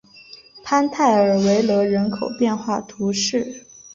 潘泰尔维勒人口变化图示